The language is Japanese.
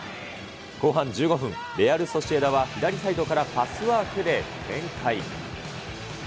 後半１５分、レアルソシエダは左サイドからパスワークで展開。